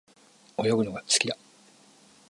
泳ぐのが好きだ。